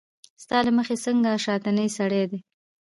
ستا له مخې څنګه شانتې سړی دی